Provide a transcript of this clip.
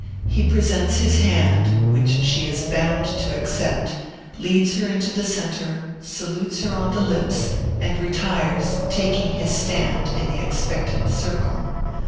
He presents his hand (which she is bound to accept), leads her into the centre, salutes her on the lips, and retires, taking his stand in the expectant circle.